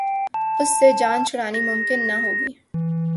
اس سے جان چھڑانی ممکن نہ ہوگی۔